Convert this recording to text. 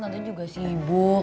tante juga sibuk